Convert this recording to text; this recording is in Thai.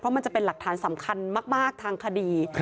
มันจะเป็นหลักฐานสำคัญมากทางคดี